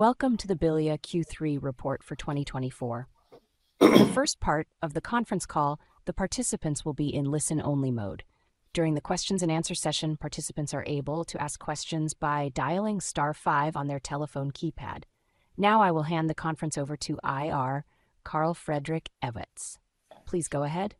Welcome to the Bilia Q3 report for 2024. The first part of the conference call. The participants will be in listen-only mode. During the questions and answer session, participants are able to ask questions by dialing star five on their telephone keypad. Now, I will hand the conference over to IR, Carl Fredrik Ewetz. Please go ahead.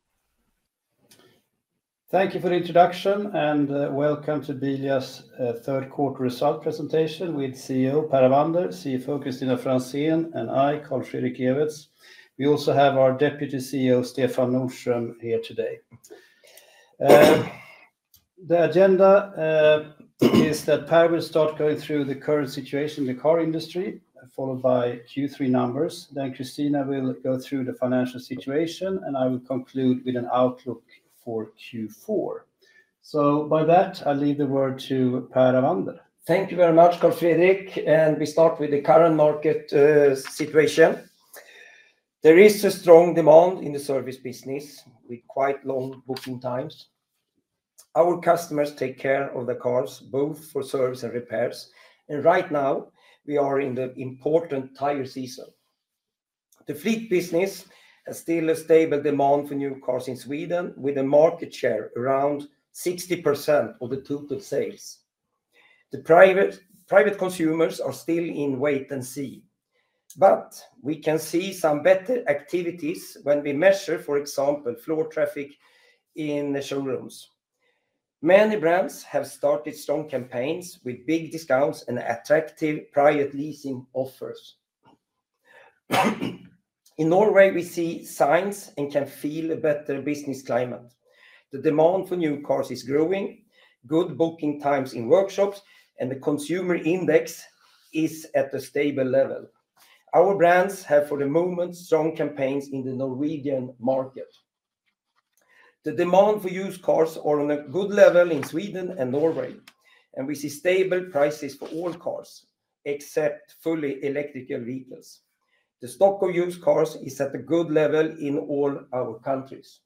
Thank you for the introduction, and welcome to Bilia's third quarter result presentation with CEO Per Avander, CFO Kristina Franzén, and I, Carl Fredrik Ewetz. We also have our Deputy CEO, Stefan Nordström, here today. The agenda is that Per will start going through the current situation in the car industry, followed by Q3 numbers, then Christina will go through the financial situation, and I will conclude with an outlook for Q4, so by that, I'll leave the word to Per Avander. Thank you very much, Carl Fredrik, and we start with the current market situation. There is a strong demand in the service business, with quite long booking times. Our customers take care of the cars, both for service and repairs, and right now we are in the important tire season. The fleet business has still a stable demand for new cars in Sweden, with a market share around 60% of the total sales. The private consumers are still in wait and see, but we can see some better activities when we measure, for example, floor traffic in the showrooms. Many brands have started strong campaigns with big discounts and attractive private leasing offers. In Norway, we see signs and can feel a better business climate. The demand for new cars is growing, good booking times in workshops, and the consumer index is at a stable level. Our brands have, for the moment, strong campaigns in the Norwegian market. The demand for used cars are on a good level in Sweden and Norway, and we see stable prices for all cars, except fully electrical vehicles. The stock of used cars is at a good level in all our countries.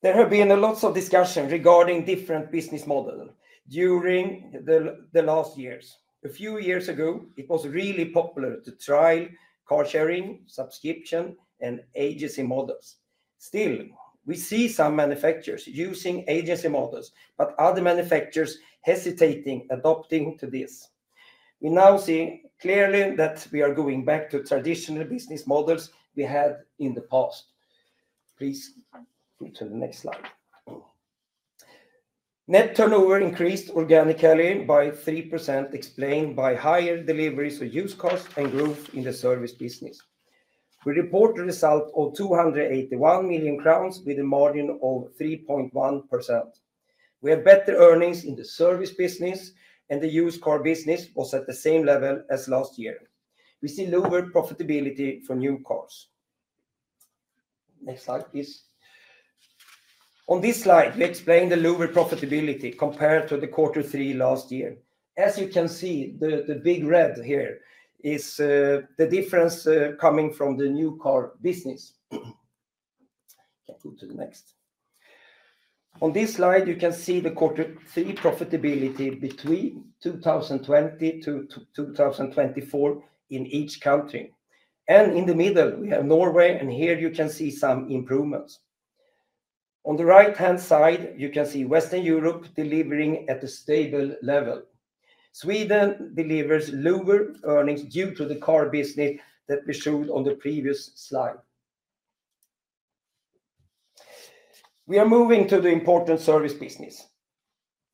There have been a lot of discussion regarding different business models during the last years. A few years ago, it was really popular to try car sharing, subscription, and agency models. Still, we see some manufacturers using agency models, but other manufacturers hesitating to adopt this. We now see clearly that we are going back to traditional business models we had in the past. Please go to the next slide. Net turnover increased organically by 3%, explained by higher deliveries of used cars and growth in the service business. We report a result of 281 million crowns, with a margin of 3.1%. We have better earnings in the service business, and the used car business was at the same level as last year. We see lower profitability for new cars. Next slide, please. On this slide, we explain the lower profitability compared to the quarter three last year. As you can see, the big red here is the difference coming from the new car business. Can go to the next. On this slide, you can see the quarter three profitability between 2020 to 2024 in each country. In the middle, we have Norway, and here you can see some improvements. On the right-hand side, you can see Western Europe delivering at a stable level. Sweden delivers lower earnings due to the car business that we showed on the previous slide. We are moving to the important service business.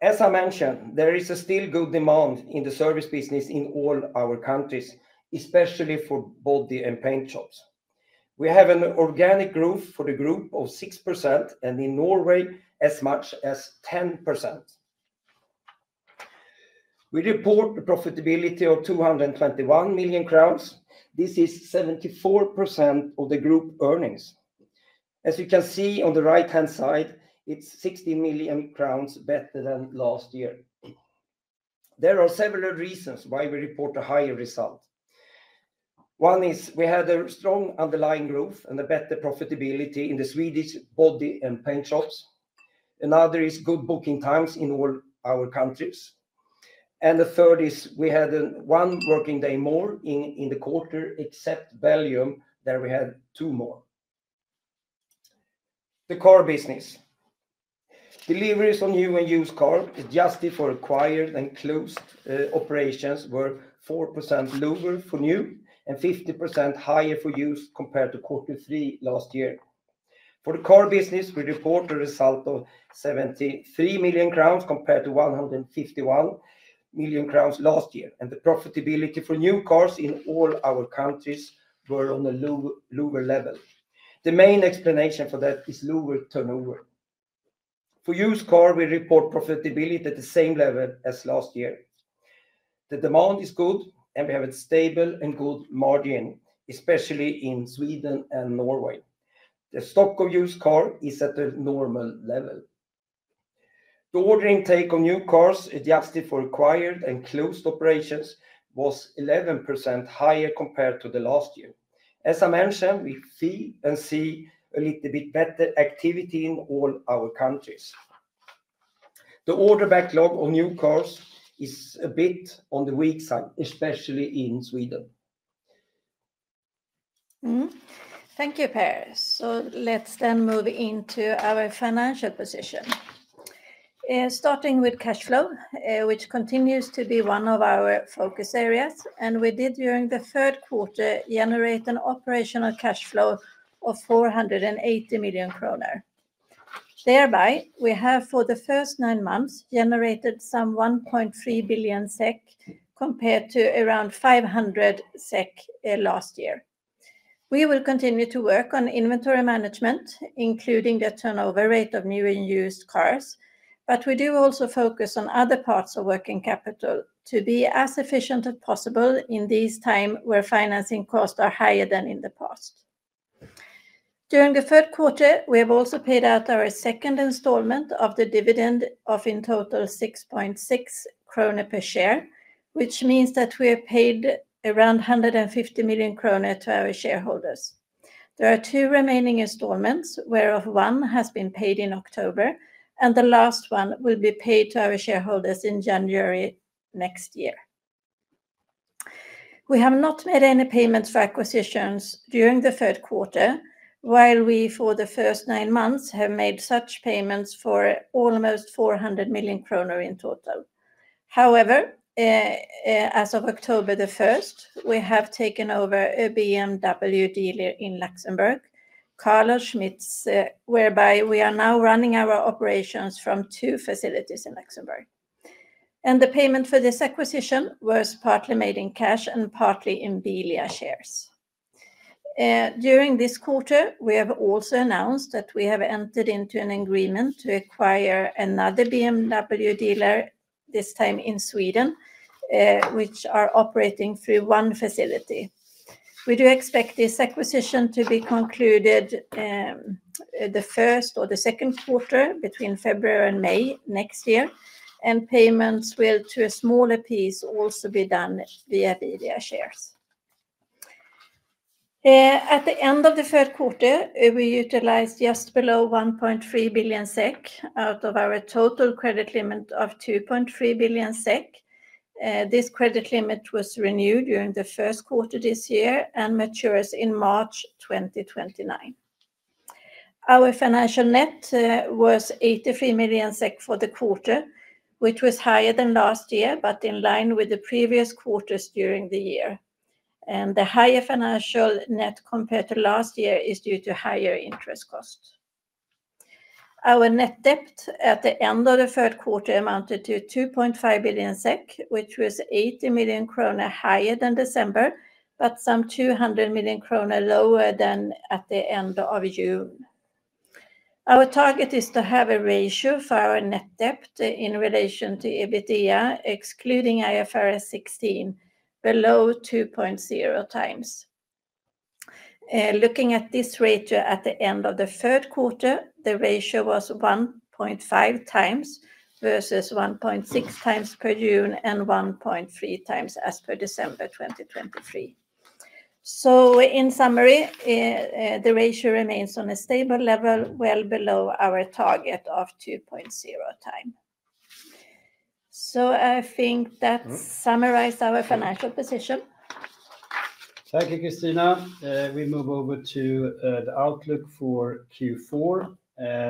As I mentioned, there is a still good demand in the service business in all our countries, especially for body and paint shops. We have an organic growth for the group of 6%, and in Norway, as much as 10%. We report the profitability of 221 million crowns. This is 74% of the group earnings. As you can see on the right-hand side, it's 60 million crowns better than last year. There are several reasons why we report a higher result. One is we had a strong underlying growth and a better profitability in the Swedish body and paint shops. Another is good booking times in all our countries. The third is we had one working day more in the quarter, except Belgium, there we had two more. The car business. Deliveries on new and used cars, adjusted for acquired and closed operations, were 4% lower for new and 50% higher for used compared to quarter three last year. For the car business, we report a result of 73 million crowns compared to 151 million crowns last year, and the profitability for new cars in all our countries were on a lower level. The main explanation for that is lower turnover. For used car, we report profitability at the same level as last year. The demand is good, and we have a stable and good margin, especially in Sweden and Norway. The stock of used car is at a normal level. The order intake on new cars, adjusted for acquired and closed operations, was 11% higher compared to last year. As I mentioned, we feel and see a little bit better activity in all our countries.... The order backlog of new cars is a bit on the weak side, especially in Sweden. Mm-hmm. Thank you, Per. So let's then move into our financial position. Starting with cash flow, which continues to be one of our focus areas, and we did, during the third quarter, generate an operational cash flow of 480 million kronor. Thereby, we have, for the first nine months, generated some 1.3 billion SEK, compared to around 500 million SEK last year. We will continue to work on inventory management, including the turnover rate of new and used cars, but we do also focus on other parts of working capital to be as efficient as possible in this time, where financing costs are higher than in the past. During the third quarter, we have also paid out our second installment of the dividend of, in total, 6.6 kronor per share, which means that we have paid around 150 million krona to our shareholders. There are two remaining installments, whereof one has been paid in October, and the last one will be paid to our shareholders in January next year. We have not made any payments for acquisitions during the third quarter, while we, for the first nine months, have made such payments for almost 400 million kronor in total. However, as of October the 1st, we have taken over a BMW dealer in Luxembourg, Carlo Schmitz, whereby we are now running our operations from two facilities in Luxembourg, and the payment for this acquisition was partly made in cash and partly in Bilia shares. During this quarter, we have also announced that we have entered into an agreement to acquire another BMW dealer, this time in Sweden, which are operating through one facility. We do expect this acquisition to be concluded, the first or the second quarter, between February and May next year, and payments will, to a smaller piece, also be done via Bilia shares. At the end of the third quarter, we utilized just below 1.3 billion SEK out of our total credit limit of 2.3 billion SEK. This credit limit was renewed during the first quarter this year and matures in March 2029. Our financial net was 83 million SEK for the quarter, which was higher than last year, but in line with the previous quarters during the year, and the higher financial net compared to last year is due to higher interest costs. Our net debt at the end of the third quarter amounted to 2.5 billion SEK, which was 80 million kroner higher than December, but some 200 million kroner lower than at the end of June. Our target is to have a ratio for our net debt in relation to EBITDA, excluding IFRS 16, below 2.0 times. Looking at this ratio at the end of the third quarter, the ratio was 1.5 times, versus 1.6 times per June, and 1.3 times as per December 2023. So in summary, the ratio remains on a stable level, well below our target of 2.0 time. So I think that- Mm... summarized our financial position. Thank you, Christina. We move over to the outlook for Q4,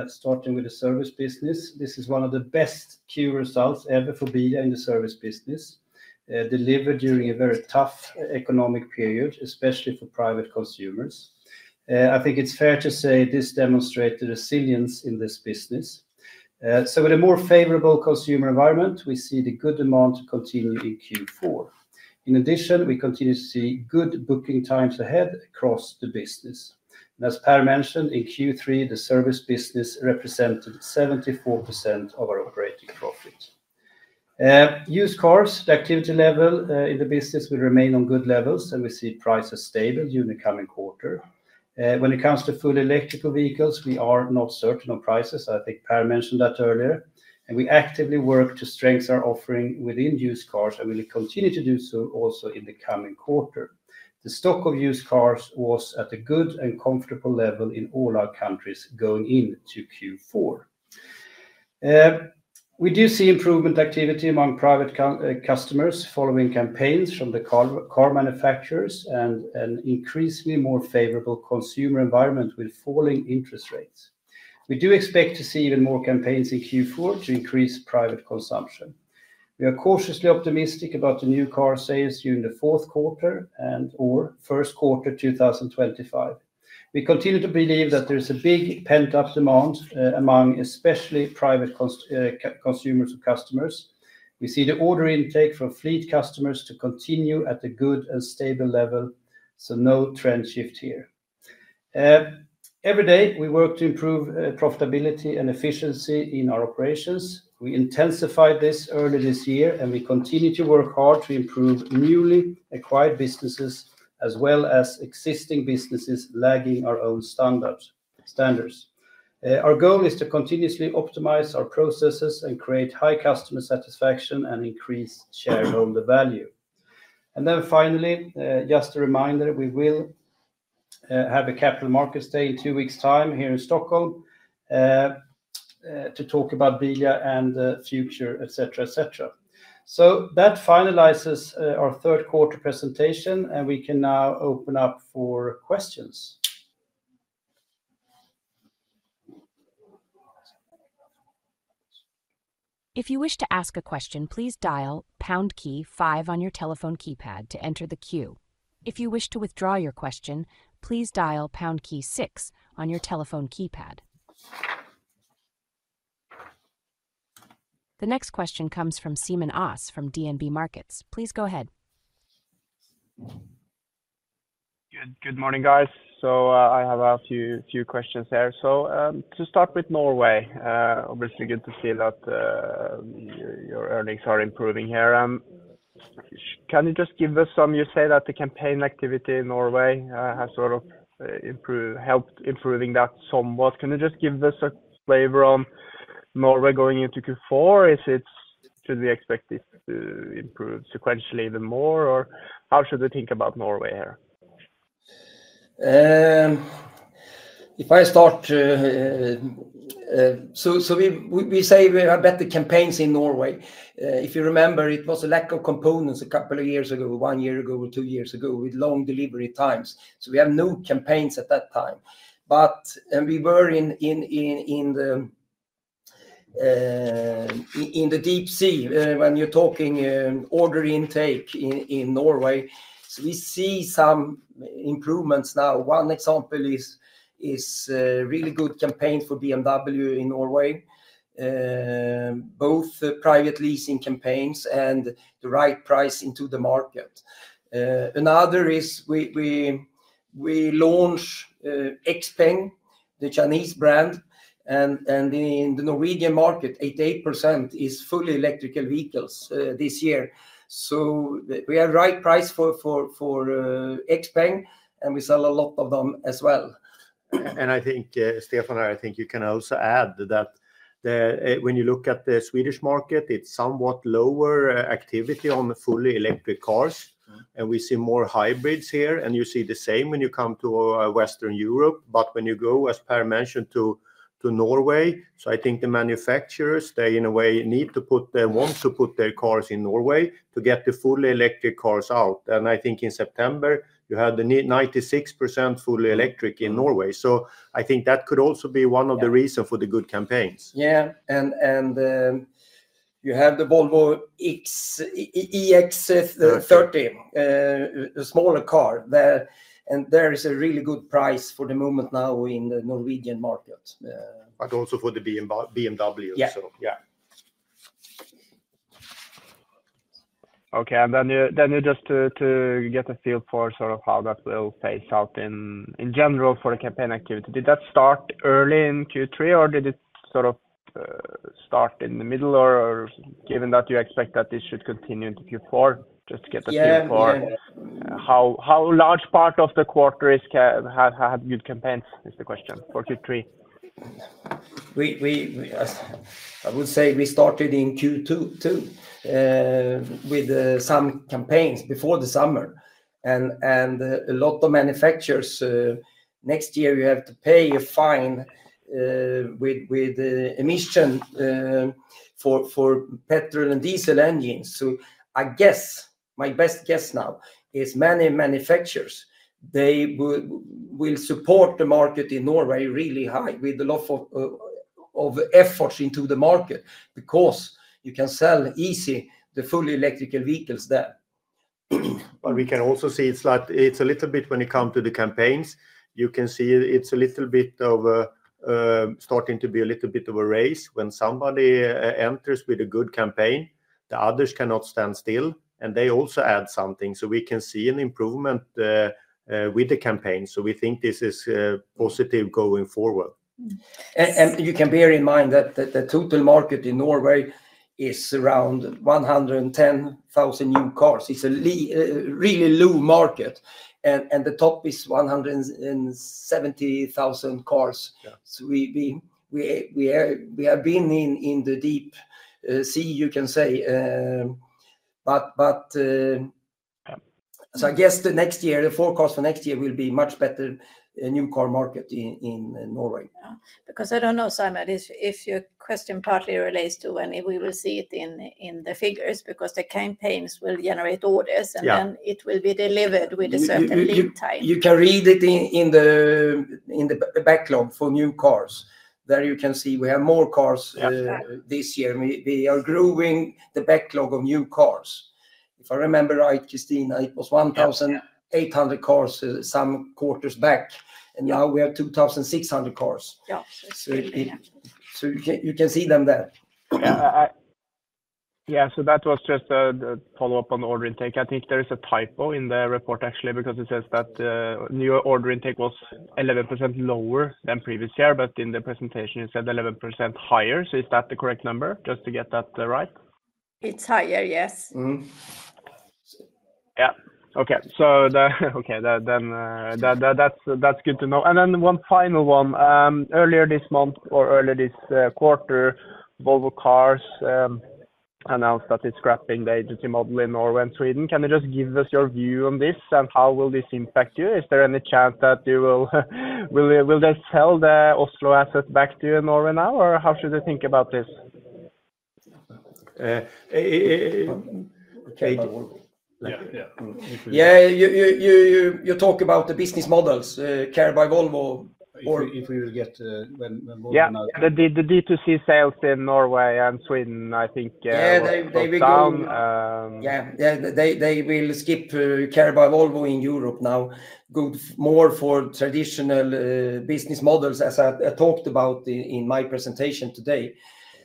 starting with the service business. This is one of the best Q results ever for Bilia in the service business, delivered during a very tough economic period, especially for private consumers. I think it's fair to say this demonstrated resilience in this business. So with a more favorable consumer environment, we see the good demand continue in Q4. In addition, we continue to see good booking times ahead across the business. And as Per mentioned, in Q3, the service business represented 74% of our operating profit. Used cars, the activity level in the business will remain on good levels, and we see prices stable during the coming quarter. When it comes to full electrical vehicles, we are not certain of prices. I think Per mentioned that earlier, and we actively work to strengthen our offering within used cars, and we will continue to do so also in the coming quarter. The stock of used cars was at a good and comfortable level in all our countries going into Q4. We do see improvement activity among private customers, following campaigns from the car manufacturers and an increasingly more favorable consumer environment with falling interest rates. We do expect to see even more campaigns in Q4 to increase private consumption. We are cautiously optimistic about the new car sales during the fourth quarter and/or first quarter 2025. We continue to believe that there is a big pent-up demand, among especially private consumers and customers. We see the order intake from fleet customers to continue at a good and stable level, so no trend shift here. Every day, we work to improve profitability and efficiency in our operations. We intensified this earlier this year, and we continue to work hard to improve newly acquired businesses, as well as existing businesses lagging our own standards. Our goal is to continuously optimize our processes and create high customer satisfaction and increase shareholder value. Then finally, just a reminder, we will- ... have a Capital Markets Day, two weeks time here in Stockholm, to talk about Bilia and the future, et cetera, et cetera. So that finalizes our third quarter presentation, and we can now open up for questions. If you wish to ask a question, please dial pound key five on your telephone keypad to enter the queue. If you wish to withdraw your question, please dial pound key six on your telephone keypad. The next question comes from Simen Aas from DNB Markets. Please go ahead. Good morning, guys. So, I have a few questions there. So, to start with Norway, obviously good to see that your earnings are improving here. Can you just give us some? You say that the campaign activity in Norway has sort of improved, helped improving that somewhat. Can you just give us a flavor on Norway going into Q4? Is it? Should we expect it to improve sequentially even more, or how should we think about Norway here? If I start, we say we have better campaigns in Norway. If you remember, it was a lack of components a couple of years ago, one year ago, or two years ago, with long delivery times. So we have no campaigns at that time. But we were in the deep sea when you're talking order intake in Norway. So we see some improvements now. One example is really good campaigns for BMW in Norway, both private leasing campaigns and the right price into the market. Another is we launch XPENG, the Chinese brand, and in the Norwegian market, 88% is fully electrical vehicles this year. We are right price for XPENG, and we sell a lot of them as well. I think, Stefan, I think you can also add that when you look at the Swedish market, it's somewhat lower activity on the fully electric cars. Mm. And we see more hybrids here, and you see the same when you come to Western Europe. But when you go, as Per mentioned, to Norway, so I think the manufacturers, they, in a way, want to put their cars in Norway to get the fully electric cars out. And I think in September, you had 96% fully electric in Norway. So I think that could also be one of the reasons- Yeah... for the good campaigns. Yeah, and you have the Volvo EX30. Yeah... EX30, a smaller car there, and there is a really good price for the moment now in the Norwegian market, But also for the BMW- Yeah ... BMW, so yeah. Okay, and then just to get a feel for sort of how that will play out in general for the campaign activity. Did that start early in Q3, or did it sort of start in the middle? Or, given that you expect that this should continue into Q4, just to get a feel for- Yeah, yeah... how large part of the quarter have good campaigns, is the question for Q3? We, as I would say we started in Q2, too, with some campaigns before the summer. And a lot of manufacturers, next year, you have to pay a fine with the emission for petrol and diesel engines. So I guess, my best guess now is many manufacturers, they will support the market in Norway really high, with a lot of efforts into the market, because you can sell easy the fully electrical vehicles there. But we can also see it's like, it's a little bit when it come to the campaigns, you can see it's a little bit of, starting to be a little bit of a race. When somebody enters with a good campaign, the others cannot stand still, and they also add something. So we can see an improvement with the campaign. So we think this is positive going forward. You can bear in mind that the total market in Norway is around 110,000 new cars. It's a really low market, and the top is 170,000 cars. Yeah. So we are. We have been in the deep sea, you can say. But Yeah ... so I guess the next year, the forecast for next year will be much better, new car market in Norway. Yeah. Because I don't know, Simen, if your question partly relates to when we will see it in the figures, because the campaigns will generate orders- Yeah... and then it will be delivered with a certain lead time. You can read it in the backlog for new cars. There you can see we have more cars- Yeah... this year. We are growing the backlog of new cars. If I remember right, Christina, it was- Yeah, yeah... one thousand eight hundred cars some quarters back, and now we have two thousand six hundred cars. Yeah, absolutely. Yeah. So you can see them there. Yeah. So that was just the follow-up on the order intake. I think there is a typo in the report, actually, because it says that new order intake was 11% lower than previous year, but in the presentation, you said 11% higher. So is that the correct number? Just to get that right. It's higher, yes. Mm-hmm. Yeah. Okay, so okay, then, that that's good to know. And then one final one. Earlier this month or earlier this quarter, Volvo Cars announced that it's scrapping the agency model in Norway and Sweden. Can you just give us your view on this, and how will this impact you? Is there any chance that you will, will they sell the Oslo asset back to Norway now, or how should they think about this? Uh, eh, eh, eh- Care by Volvo. Yeah, yeah. Yeah, you talk about the business models, Care by Volvo or- If we will get, when Volvo now- Yeah, the B2C sales in Norway and Sweden, I think. Yeah, they will go- went down. Yeah, yeah, they will skip Care by Volvo in Europe now. Go more for traditional business models, as I talked about in my presentation today.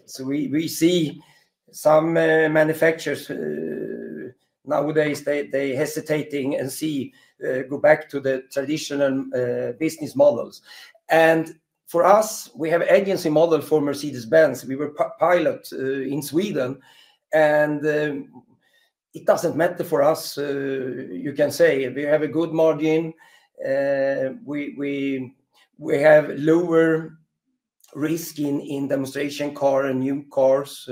So we see some manufacturers nowadays, they hesitating and see go back to the traditional business models. And for us, we have agency model for Mercedes-Benz. We were pilot in Sweden, and it doesn't matter for us. You can say we have a good margin. We have lower risk in demonstration car and new cars.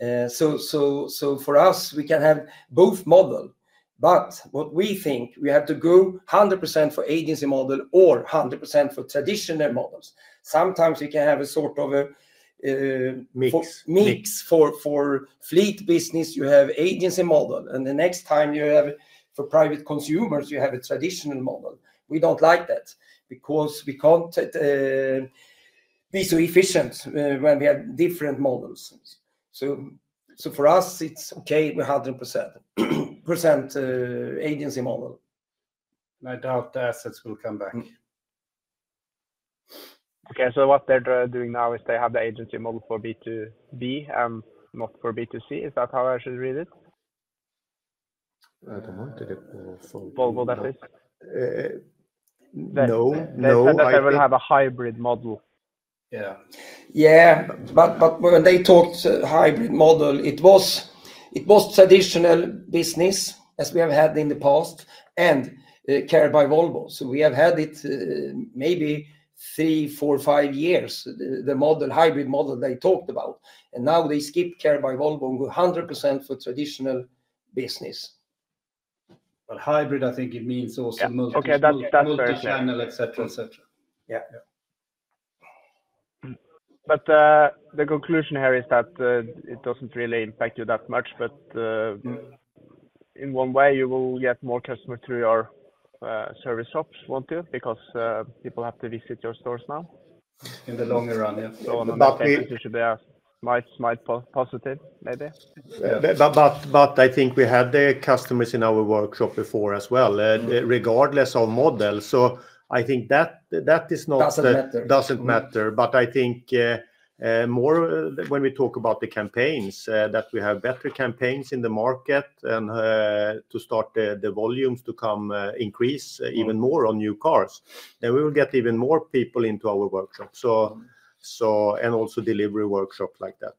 So for us, we can have both model, but what we think, we have to go 100% for agency model or 100% for traditional models. Sometimes you can have a sort of a Mix... mix. For fleet business, you have agency model, and the next time you have for private consumers, you have a traditional model. We don't like that because we can't be so efficient when we have different models. So for us, it's okay, we're 100% agency model. I doubt the assets will come back. Okay, so what they're doing now is they have the agency model for B2B and not for B2C. Is that how I should read it? I don't know. Did it for Volvo that is? No, no, I- They said that they will have a hybrid model. Yeah. Yeah, but when they talked hybrid model, it was traditional business as we have had in the past and Care by Volvo. So we have had it maybe three, four, five years, the hybrid model they talked about, and now they skip Care by Volvo and go 100% for traditional business. But hybrid, I think it means also multi- Yeah. Okay, that's, that's fair.... multi-channel, et cetera, et cetera. Yeah. Yeah. But the conclusion here is that it doesn't really impact you that much, but in one way, you will get more customer through your, service shops, won't you? Because, people have to visit your stores now. In the longer run, yes. But the-Should be might positive, maybe. But I think we had the customers in our workshop before as well, regardless of model. So I think that is not- Doesn't matter... Doesn't matter. But I think more when we talk about the campaigns that we have better campaigns in the market and to start the volumes to come increase even more on new cars. Then we will get even more people into our workshop, so and also delivery workshop like that.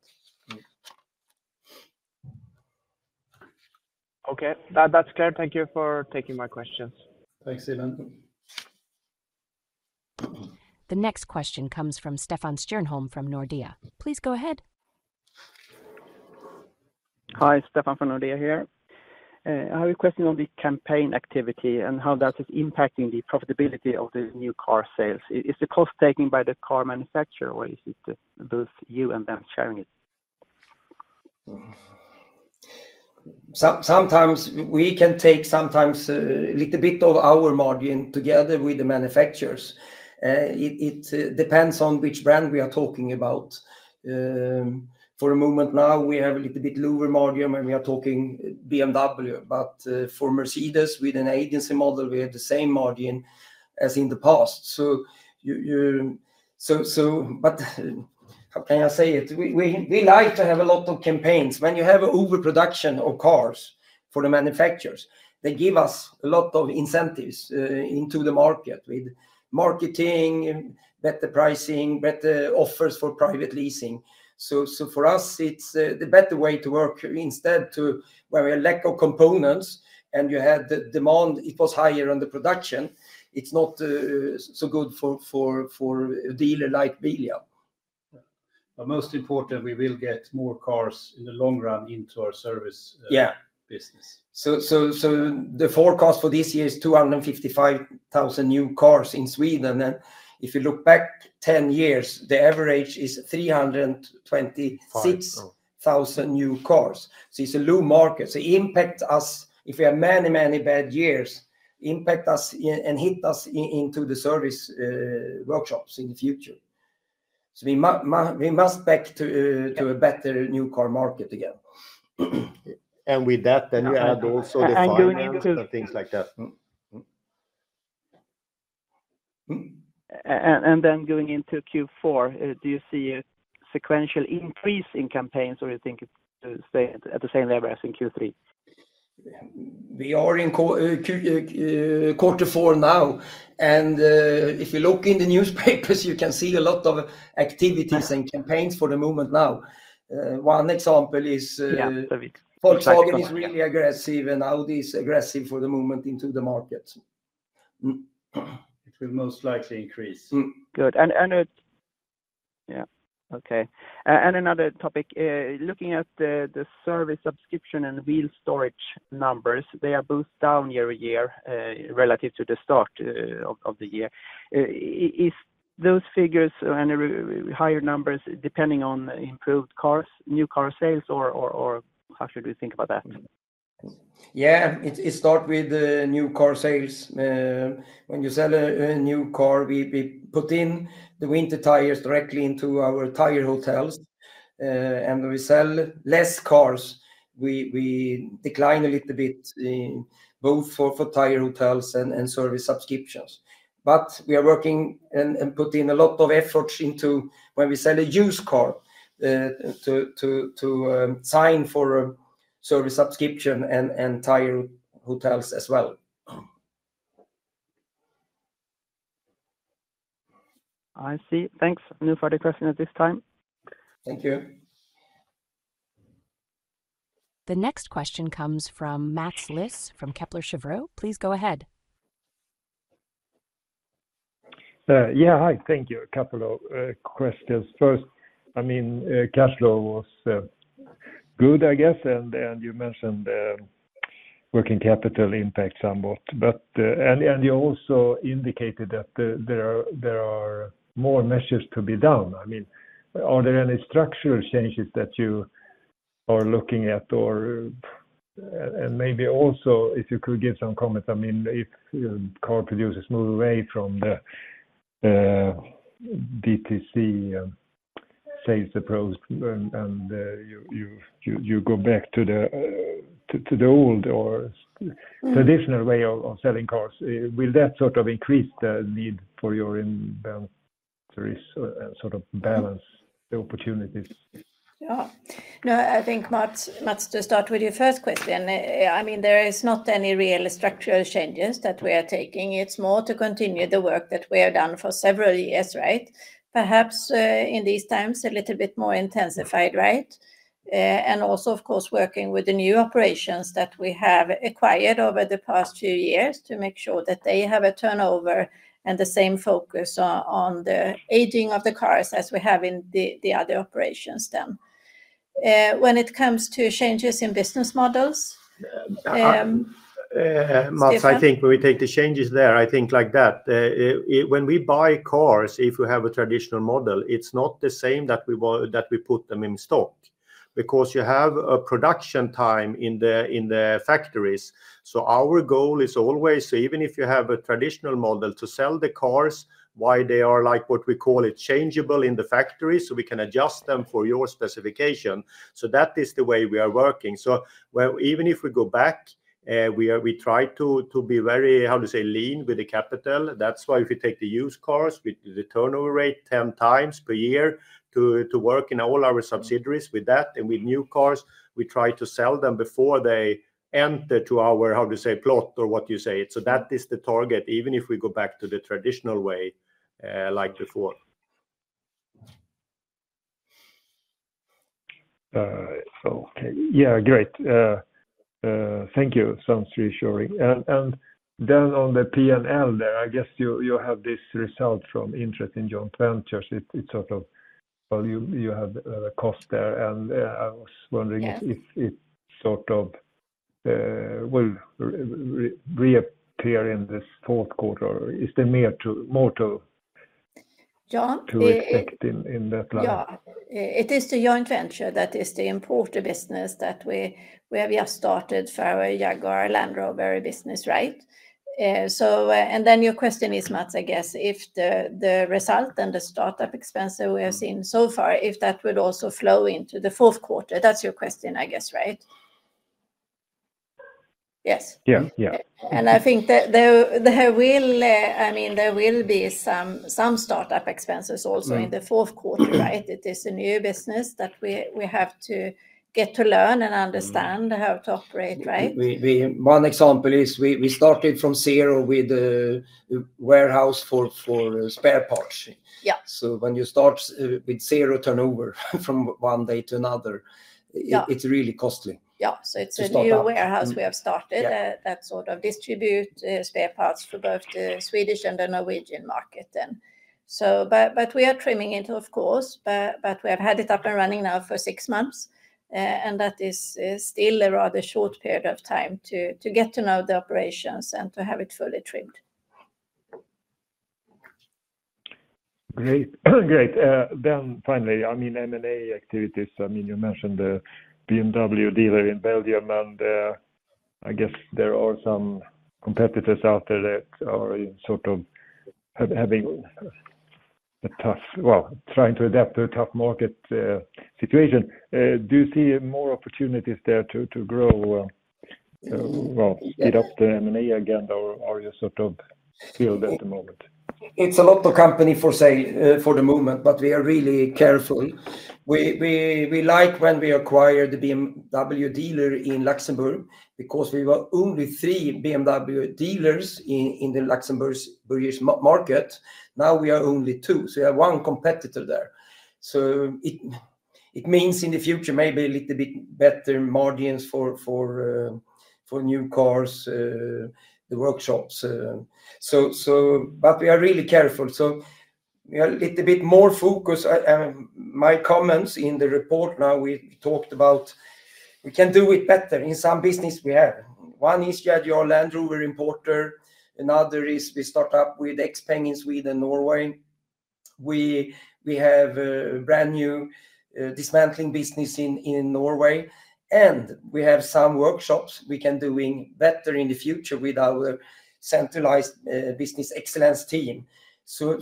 Okay. That, that's clear. Thank you for taking my questions. Thanks, Evan. The next question comes from Stefan Stjernholm from Nordea. Please go ahead. Hi, Stefan from Nordea here. I have a question on the campaign activity and how that is impacting the profitability of the new car sales. Is the cost taken by the car manufacturer, or is it both you and them sharing it? Sometimes, we can take a little bit of our margin together with the manufacturers. It depends on which brand we are talking about. For the moment now, we have a little bit lower margin when we are talking BMW, but for Mercedes, with an agency model, we have the same margin as in the past, so, but how can I say it? We like to have a lot of campaigns. When you have overproduction of cars for the manufacturers, they give us a lot of incentives into the market with marketing, better pricing, better offers for private leasing, so for us, it's the better way to work. Instead, too, where we lack of components and you had the demand, it was higher than the production, it's not so good for a dealer like Bilia. But most important, we will get more cars in the long run into our service. Yeah ... business. The forecast for this year is 255,000 new cars in Sweden, and if you look back 10 years, the average is 320- Five... six thousand new cars. So it's a low market. So impact us, if we have many, many bad years, impact us and hit us into the service workshops in the future. So we must back to a better new car market again. And with that, then you add also the finance- And going into- and things like that. Mm, mm. And then going into Q4, do you see a sequential increase in campaigns, or you think it's stay at the same level as in Q3? We are in quarter four now, and if you look in the newspapers, you can see a lot of activities and campaigns for the moment now. One example is, Yeah ... Volkswagen is really aggressive, and Audi is aggressive for the moment in the market. It will most likely increase. Mm, good. And, yeah, okay. And another topic, looking at the service subscription and wheel storage numbers, they are both down year over year, relative to the start of the year. Is those figures and higher numbers depending on improved cars, new car sales, or how should we think about that? Yeah, it start with the new car sales. When you sell a new car, we put in the winter tires directly into our tire hotels. And we sell less cars. We decline a little bit in both for tire hotels and service subscriptions. But we are working and putting a lot of efforts into when we sell a used car, to sign for a service subscription and tire hotels as well. I see. Thanks, no further question at this time. Thank you. The next question comes from Mats Liss, from Kepler Cheuvreux. Please go ahead. Yeah, hi. Thank you. A couple of questions. First, I mean, cash flow was good, I guess, and you mentioned working capital impact somewhat. But you also indicated that there are more measures to be done. I mean, are there any structural changes that you are looking at or... And maybe also if you could give some comments, I mean, if car producers move away from the DTC sales approach, and you go back to the old or traditional way of selling cars, will that sort of increase the need for your inventories, sort of balance the opportunities? Yeah. No, I think, Mats, to start with your first question, I mean, there is not any real structural changes that we are taking. It's more to continue the work that we have done for several years, right? Perhaps, in these times, a little bit more intensified, right? And also, of course, working with the new operations that we have acquired over the past two years, to make sure that they have a turnover and the same focus on the aging of the cars as we have in the other operations then. When it comes to changes in business models, Stefan? Mats, I think when we take the changes there, I think like that, when we buy cars, if we have a traditional model, it's not the same that we want. That we put them in stock, because you have a production time in the factories. So our goal is always, even if you have a traditional model, to sell the cars, while they are like what we call it, changeable in the factory, so we can adjust them for your specification. So that is the way we are working. So where even if we go back, we try to be very, how to say, lean with the capital. That's why if you take the used cars, we do the turnover rate ten times per year to work in all our subsidiaries with that. With new cars, we try to sell them before they enter our, how to say, lot or what you call it. That is the target, even if we go back to the traditional way, like before. So, okay. Yeah, great. Thank you. Sounds reassuring. And then on the P&L there, I guess you have this result from interest in joint ventures. It sort of, you have cost there, and I was wondering- Yes... if it sort of will reappear in this fourth quarter, or is there more to- John, uh... to expect in, in that line? Yeah. It is the joint venture, that is the importer business that we, where we have started for our Jaguar, Land Rover business, right? So, and then your question is, Mats, I guess, if the, the result and the startup expense that we have seen so far, if that would also flow into the fourth quarter, that's your question, I guess, right? Yes. Yeah. Yeah. I think that there will. I mean, there will be some startup expenses also- Mm... in the fourth quarter, right? It is a new business that we have to get to learn and understand- Mm... how to operate, right? One example is we started from zero with warehouse for spare parts. Yeah. When you start with zero turnover from one day to another- Yeah... it's really costly. Yeah, so it's a- To start up.... new warehouse we have started- Yeah... that sort of distribute spare parts for both the Swedish and the Norwegian market then. So but we are trimming it, of course, but we have had it up and running now for six months, and that is still a rather short period of time to get to know the operations and to have it fully trimmed. Great. Great. Then finally, I mean, M&A activities. I mean, you mentioned the BMW dealer in Luxembourg, and I guess there are some competitors out there that are sort of having a tough, well, trying to adapt to a tough market situation. Do you see more opportunities there to grow, well- Yes... speed up the M&A agenda, or, or are you sort of still at the moment? It's a lot of company for sale, for the moment, but we are really careful. We like when we acquired the BMW dealer in Luxembourg, because we were only three BMW dealers in the Luxembourgish market. Now we are only two, so we have one competitor there. So it means in the future, maybe a little bit better margins for new cars, the workshops. But we are really careful, so we are a little bit more focused. My comments in the report now, we talked about we can do it better. In some business we have. One is Jaguar, Land Rover importer. Another is we start up with XPENG in Sweden, Norway. We have a brand-new dismantling business in Norway, and we have some workshops we can doing better in the future with our centralized business excellence team. So,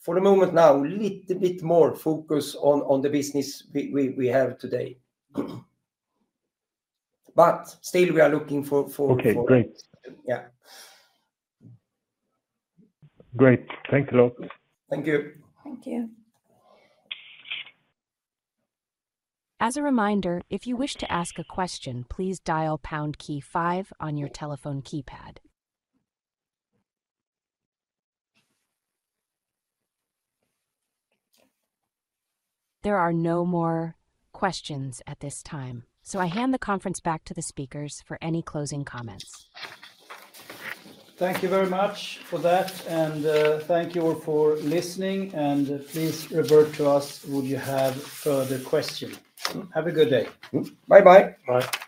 for the moment now, little bit more focus on the business we have today. But still we are looking for- Okay, great. Yeah. Great. Thanks a lot. Thank you. Thank you. As a reminder, if you wish to ask a question, please dial pound key five on your telephone keypad. There are no more questions at this time, so I hand the conference back to the speakers for any closing comments. Thank you very much for that, and thank you all for listening, and please revert to us if you have further questions. Have a good day. Bye-bye. Bye.